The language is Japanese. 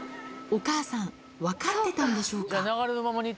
お母さん、分かってたんでしょうか。